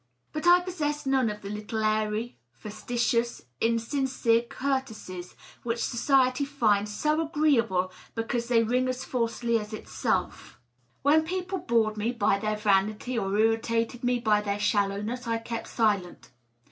But I possessed none of the little airy, factitious, insincere courtesies which society finds so agreeable because they ring as fiJsely as itself. When people bored me by their vanity or irritated me by their shallow ness, I kept silent.